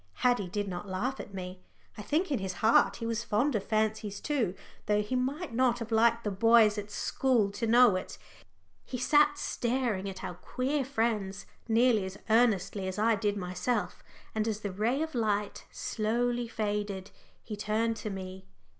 Haddie did not laugh at me. I think in his heart he was fond of fancies too, though he might not have liked the boys at school to know it. He sat staring at our queer friends nearly as earnestly as I did myself. And as the ray of light slowly faded, he turned to me.